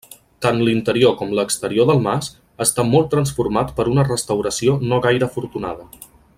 Tant l'interior com l'exterior del mas, està molt transformat per una restauració no gaire afortunada.